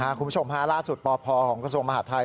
คุณผู้ชมฮะล่าสุดปพของกระทรวงมหาดไทย